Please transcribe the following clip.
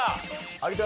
有田